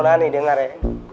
nona ani dengar ya